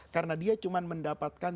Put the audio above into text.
karena dia cuman mendapatkan